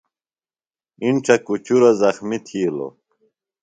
اِنڇہ کُچُروۡ زخمیۡ تھِیلوۡ۔